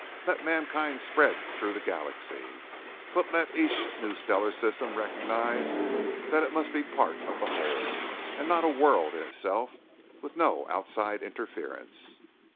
Let mankind spread through the galaxy, but let each new stellar system recognize that it must be a part of the whole, and not a world in itself with no outside interference.